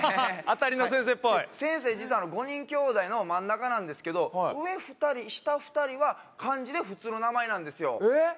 当たりの先生っぽい先生実は５人兄弟の真ん中なんですけど上２人下２人は漢字で普通の名前なんですよえっ？